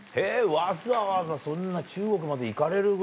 わざわざそんな中国まで行かれるぐらい。